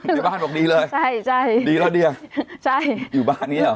อยู่บ้านบอกดีเลยดีแล้วดีอ่ะอยู่บ้านนี้หรอ